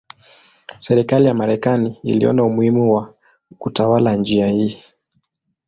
Serikali ya Marekani iliona umuhimu wa kutawala njia hii.